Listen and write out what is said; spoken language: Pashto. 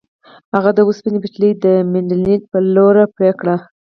هغه د اوسپنې پټلۍ د مینډلینډ په لور پرې کړه.